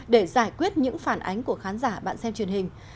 để giải quyết những phản ánh của khán giả bạn xem truyền hình